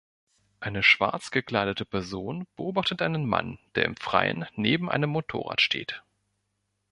Eine schwarzgekleidete Person beobachtet einen Mann, der im Freien neben einem Motorrad steht.